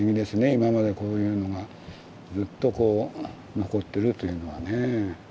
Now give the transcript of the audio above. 今までこういうのがずっとこう残ってるというのはねぇ。